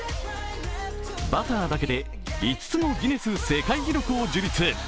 「Ｂｕｔｔｅｒ」だけで５つのギネス世界記録を樹立。